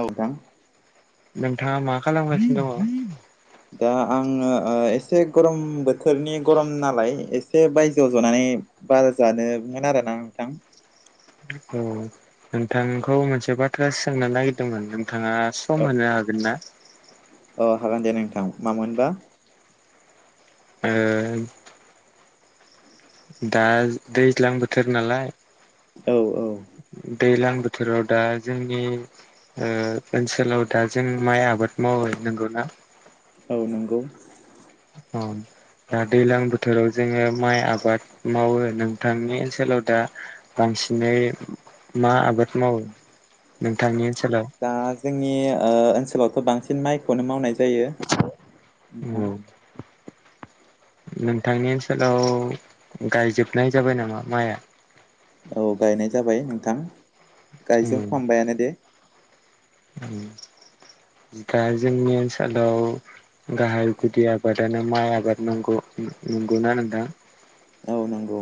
औ नोंथां नोंथाङा मा खालामगासिनो दङ दा आङो एसे गरम बोथोरनि गरम नालाय एसे बायजोआव जनानै बार जानमोन आरोना नोंथां औ नोंथांखौ मोनसे बाथ्रा सोलोंनो नागिरदोंमोन नोंथाङा सम मोननो हागोना अ हागोन दे नोंथां मामोनबा ओ [unintelligible] दा दैज्लां बोथोर नालाय औ औ दैलां बोथोराव दा जोंनि ओ ओनसोलाव दा जों माइ आबाद मावो नंगौना औ नंगौ औ दा दैज्लां बोथोराव जोङो माइ आबाद मावो नोंथांनि ओनसोलाव दा बांसिनै मा आबाद मावो नोंथांनि ओनसोलाव दा जोंनि ओ ओनसोलावथ' बांसिन माइखौनो मावनाय जायो नोंथां औ [inaudible] नोंथांनि ओनसोलाव गायजोबनाय जाबाय नामा माइआ औ गायनाय जाबाय नोंथां उम गायजोब फामबायानो दे दा जोंनि ओनसोलाव गाहाय गुदि आबादानो माइ आबाद नंगौ न-नंगौना नोंथां औ नंगौ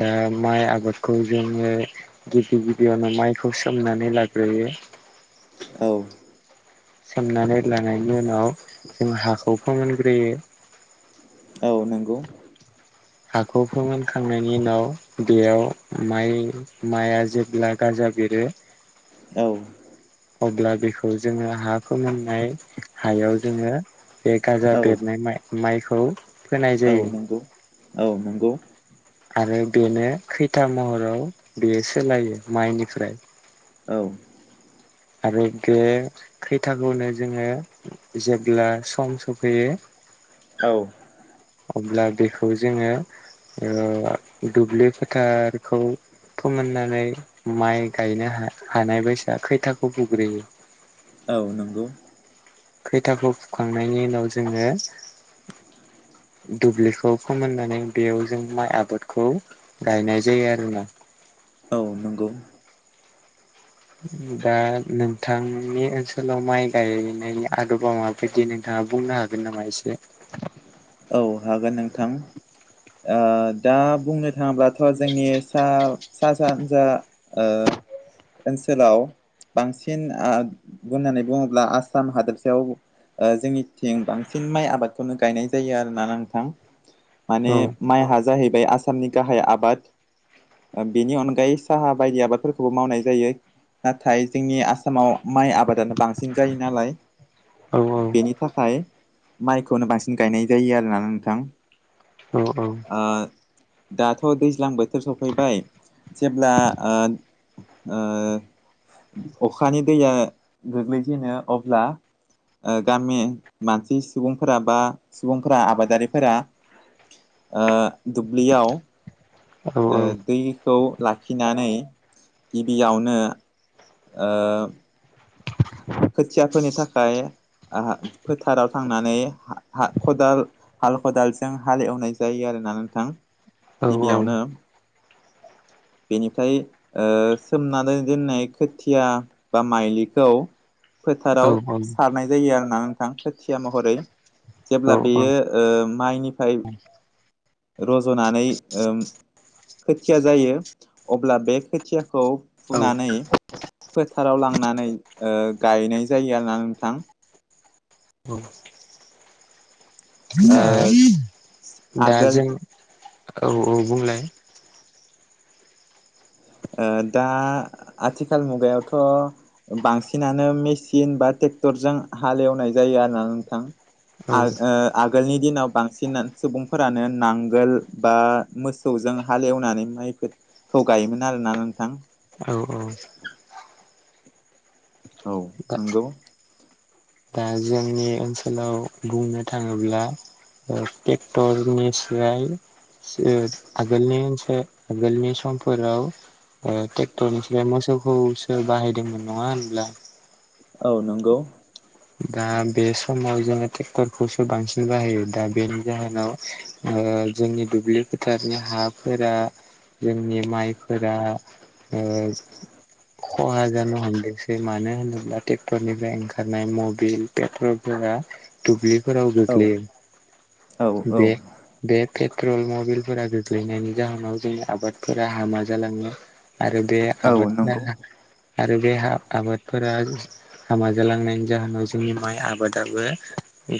दा माइ आबादखौ जोङो गिबि गिबियावनो माइखौ सोमनानै लाग्रोयो औ सोमनानै लानायनि उनाव जों हाखौ फोमोनग्रोयो औ नंगौ हाखौ फोमोनखांनायनि उनाव बेयाव माइ माइआ जेब्ला गाजा बेरो [unintelligible] अब्ला बेखौ जोङो हा फोमोननाय हायाव जोङो बे गाजा औ बेरनाय माइ-माइखौ फोनाय औ जायो नंगौ औ नंगौ आरो बेनो खैथा महराव बेयो सोलायो माइनिफ्राय औ आरो बे खैथाखौनो जोङो जेब्ला सम सफैयो औ अब्ला बेखौ जोङो ओ दुब्लि फोथारखौ फोमोननानै माइ गायनो हा हानाय बैसा खैथाखौ फुग्रोयो औ नंगौ खैथाखौ फुखांनायनि उनाव जोङो दुब्लिखौ फोमोननानै बेयाव जों माइ आबादखौ गायनाय जायो आरोना औ नंगौ दा नोंथांनि ओनसोलाव माइ गायनायनि आदबा मा बायदि नोंथाङा बुंनो हागोन नामा एसे? औ हागोन नोंथां ओ दा बुंनो थाङोब्लाथ' जोंनिसा सा सानजा ओ ओनसोलाव बांसिन ओ बुंनानै बुङोब्ला आसाम हादोरसायाव ओ जोंनि थिं बांसिन माइ आबादखौनो गायनाय जायो आरोना नोंथां। माने औ माइहा जाहैबाय आसामनि गाहाय आबाद बेनि अनगायै साहा बायदि आबादफोरखौबो मावनाय जायो नाथाय जोंनि आसामाव माइ आबादानो बांसिन जायो नालाय औ बेनि थाखाय माइखौनो बांसिन गायनाय जायो आरोना नोंथां औ औ ओ दाथ' दैज्लां बोथोर सफैबाय जेब्ला ओ अखानि दैया गोग्लैजेनो अब्ला गामि मानसि सुबुंफोरा बा सुबुंफोरा आबादारिफोरा दुब्लियाव औ ओ दैखौ लाखिनानै गिबियावनो ओ खोथिया फोनो थाखाय फोथाराव थांनानै हाल खदाल हाल खदालजों हाल एवनाय जायो आरोना नोंथां औ गिबियावनो। बेनिफ्राय ओ सोमनानै दोननाय खोथिया बा माइलि खौ फोथाराव औ सारनाय जायो आरोना नोंथां खोथिया महरै औ जेब्ला बेयो ओ माइनिफ्राय रज'नानै ओ खोथिया जायो अब्ला बे खोथियाखौ फुनानै फोथाराव लांनानै गायनाय जायो आरोना नोंथां [inaudible] ओ दा दा आगोल जों औ औ बुंलाय ओ दा आथिखाल मुगायावथ' बांसिनानो मेसिन बा ट्रेक्टरजों हालेवनाय जायो आरो ना नोंथां। औ आ ओ आगोलनि दिनाव बांसिन सुबुंफोरानो नांगोल बा मोसौजों हालेवनानै माइफोरखौ गायोमोन आरोना नोंथां औ औ औ दा नंगौ दा जोंनि ओनसोलाव बुंनो थाङोब्ला ट्रेक्टरनिसाय [unintelligible] आगोलनिस आगोलनि समफोराव ट्रेक्टरनिफ्राय मोसौखौसो बाहायदोंमोन नङा होनब्ला औ नंगौ दा बे समाव जोङो ट्रेक्टरखौसो बांसिन बाहायो दा बेनि जाहोनाव ओ जोंनि दुब्लि फोथारनि हाफोरा जोंनि माइफोरा [inaudible] खहा जानो हमदोंसै मानो होनोब्ला ट्रेक्टरनिफ्राय ओंखारनाय मु बिल पेट्रलफोरा दुब्लिफोराव औ औ गोग्लैयो औ बे बे पेट्रल मबलफोरा गोग्लैनायनि जाहोनाव जोंनि आबादफोरा हामा जालाङो। आरो बे औ नंगौ आबादफोरा आरो बे आबादफोरा हामा जालांनायनि जाहोनाव जोंनि माइ आबादाबो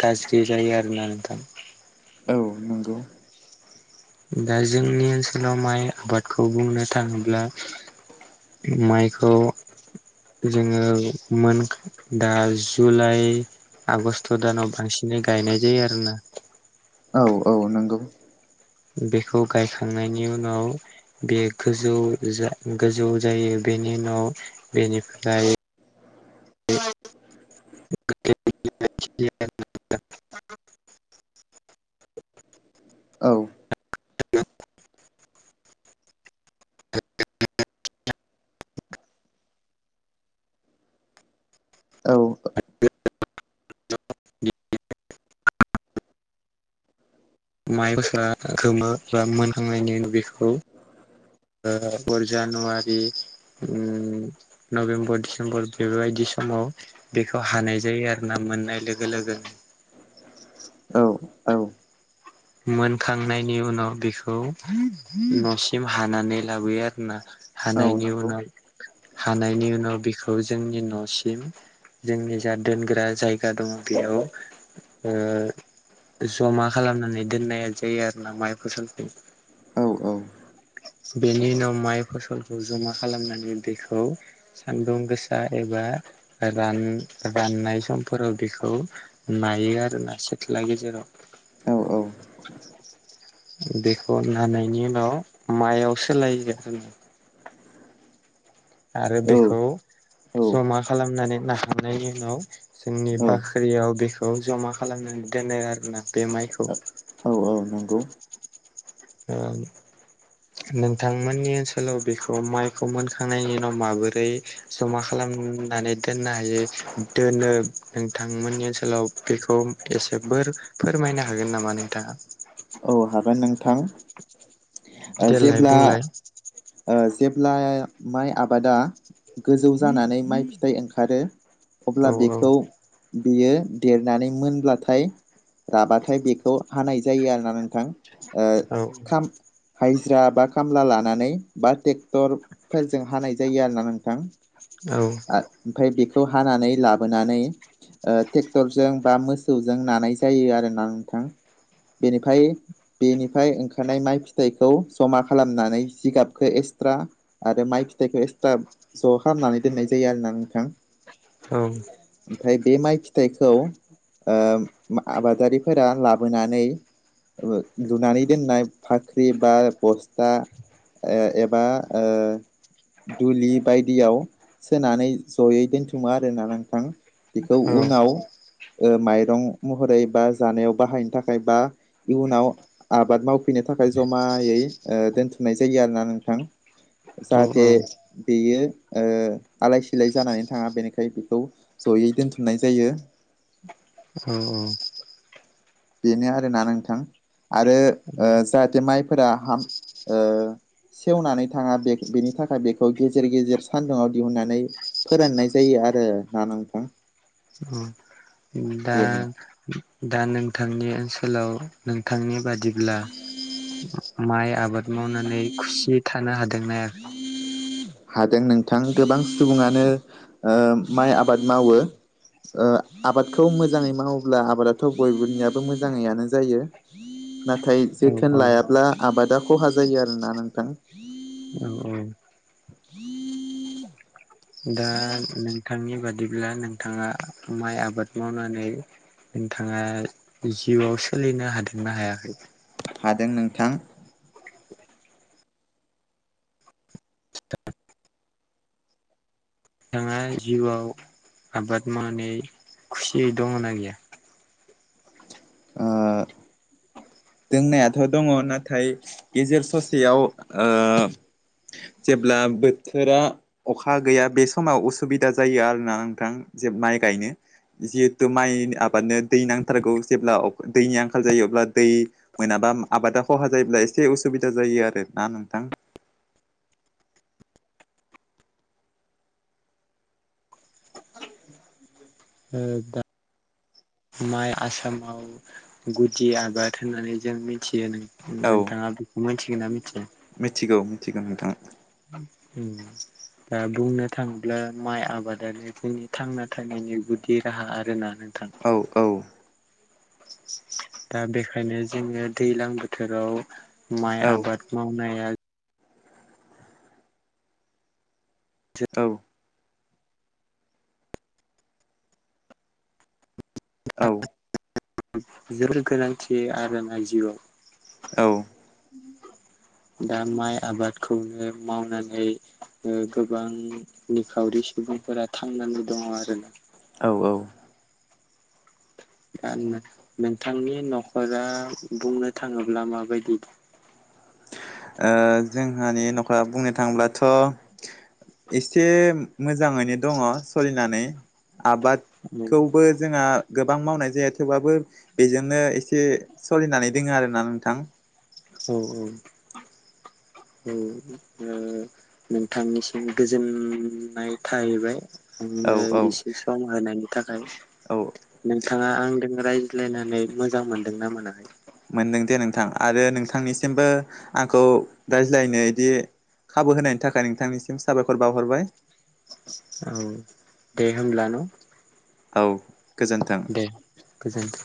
गाज्रि जायो आरोना नोंथां औ नों दा जोंनि ओनसोलाव माइ आबादखौ बुंनो थाङोब्ला माइखौ जोङो मोन दा जुलाइ आगस्ट दानाव बांसिनै गायनाय जायो आरो ना औ औ नंगौ बेखौ गायखांनायनि उनाव बे गोजौ जा गोजौ जायो बेनि उनाव बेनिफ्राय औ [unintelligible] औ [unintelligible] माइ गस्रा गोमो बा मोनहांनायनि बेखौ बा जानुवारि उम नभेम्बर डिसेम्बर बेबायदि समाव बेखौ हानाय जायो आरो ना मोननाय लोगो लोगोनो औ औ मोनखांनायनि उनाव बेखौ न'सिम हानानै लाबोयो आरोना। औ हानायनि नंगौ उनाव हानायनि उनाव बिखौ जोंनि न'सिम जोंनि जा दोनग्रा जायगा दङ बेयाव जमा खालामनानै दोननाया जायो आरोना माइ फसनखौ औ औ बेनि उनाव माइ फसलखौ जमा खालामनानै बेखौ सान्दुं गोसा एबा रान राननाय समफोराव बेखौ नायो आरो ना सिथ्ला गेजेराव औ औ बेखौ नि उनाव माइआव सोलायो आरो आरो बेखौ जमा खालामनानै नाखांनायनि उनाव जोंनि बाख्रियाव बेखौ जमा खालामनानै दोनो आरोना बे माइखौ औ औ नांगौ औ नोंथांमोननि ओनसोलाव बेखौ माइखौ मोनखांनायनि उनाव माबोरै जमा खालामनानै दोननो हायो दोनो नोंथांमोननि ओनसोलाव बेखौ एसे बोर फोरमायनो हागोन नामा नोंथाङा औ हागोन नोंथां देलाय जेब्ला बुंलाय जेब्ला माइ आबादा गोजौ जानानै माइ फिथाइ ओंखारो औ अब्ला बेखौ बियो देरनानै मोनब्लाथाय राबाथाय बेखौ हानाय जायो आरोना नोंथां औ खाम हजिरा बा खामला लानानै बा ट्रेक्टर फोरजों हानाय जायो आरोना नोंथां औ ओमफ्राय बेखौ हानानै लाबोनानै ओ ट्रेक्टरजों बा मोसौजों नानाय जायो आरोना नोंथां बेनिफ्राय बेनिफ्राय ओंखारनाय माइ फिथाइखौ जमा खालामनानै जिगाब खौ एक्सट्रा आरो माइ फिथाइखौ एक्सट्रा ज' खालामनानै दोननाय जायो आरोना नोंथां औ। ओमफ्राय बे माइ फिथाइखौ आबादारिफोरा लाब- लाबोनानै लुनानै दोननाय फाख्रि बा बस्था एबा- दुलि बायदियाव सोनानै जयै दोनथुमो आरोना नोंथां -। बेखौ उनाव माइरं महरै बा जानायाव बाहायनो थाखाय बा इयुनाव आबाद मावफ फीननो थाखाय जमायै दोनथुमनाय जायो आरोना नोंथां जाहाथे बेयो आलाय सिलाय जानानै थाङा बेनिखाय बेखौ- जयै दोनथुमनाय जायो। औ औ बेनो आरोना नोंथां आरो औ जाहाथे माइफोरा हाम सेवनानै थाङा बेनि थाखाय बेखौ गेजेर गेजेर सान्दुुंआव दिहुननानै- फोराननाय जायो आरो ना नोंथां-। दा बेनो - दा नोंथांनि ओनसोलाव नोंथांनि बादिब्ला माइ आबाद मावनानै खुसियै थानो हादोंना आरो- हादों नोंथां, गोबां सुबुङानो माइ आबाद मावो। आबादखौ मोजाङै मावोब्ला आबादाथ' बयबोनियाबो मोजाङैनो जायो। नाथाय औ औ जोथोन लायाब्ला आबादा खहा जायो आरोना नोंथां। औ औ। [inaudible] दा नोंथांनि बादिब्ला नोंथाङा माइ आबाद मावनानै- नोंथाङा जिउआव सोलिनो हादोंना हायाखै? हादों नोंथां। नोंथाङा जिउआव आबाद मावनानै खुसियै दंना गैया? ओ दोंनायाथ' दङ नाथाय गेजेर ससेयाव ओ जेब्ला बोथोरा अखा गैया बे समाव उसुबिदा जायो आरोना नोंथां जे माइ गायनो जिहेथु, माइनि आबादनो दै नांथारगौ। जेब्ला दैनि आंखाल जायो अब्ला दै मोनाबा आबादा खहा जायोब्ला एसे उसुबिदा जायो आरो ना नोंथां। ओ दा माइ आ आसाम आव गुदि आबाद होननानै जों मिथियो नों औ नोंथाङा बेखौ मिथिगोना मिथिया? मिथिगौ- मिथिगौ नोंथां। उम दा बुंनो थाङोब्ला माइ आबादानो जोंनि थांना थानायनि गुदि राहा आरोना नोंथां औ- औ दा बेखायनो जोङो दैलां बोथोराव माइ औ आबाद मावनाया औ, औ। जो [unintelligible] र गोनांथि आरो ना जिआव। औ, दा माइ आबादखौनो मावनानै ओ गोबां निखावरि सुबुंफोरा थांनानै दङ 'आरो ना औ औ। दा नोंथांनि न'खरा बुंनो थाङोब्ला माबायदि? ओ जोंहानि न'खरा बुंनो थांब्लाथ' एसे मोजाङैनो दङ सोलिनानै औ आबादखौबो जोंहा गोबां मावनाय जाया थेवबाबो बेजोंनो एसे सोलिनानै दोङो आरोना नोंथां औ औ औ [unintelligible] नोंथांनिसिम गोजोननाय थाहैबाय उम औ ओ औ बेसिम सम होनायनि थाखाय औ नोंथाङा आंदों रायज्लायनानै मोजां मोनदों ना मोनाखै मोनदों दे नोंथां आरो नोंथांनिसिमबो आंखौ रायज्लायनो इदि खाबु होनायनि थाखाय नोंथांनिसिम साबायखर बाहरबाय औ दे होमब्ला न औ गोजोन्थों दे गोजोनथों